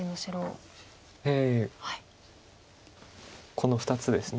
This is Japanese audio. この２つですね。